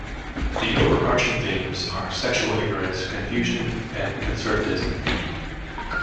The overarching themes are sexual ignorance, confusion and conservatism.